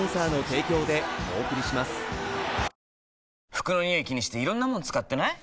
服のニオイ気にしていろんなもの使ってない？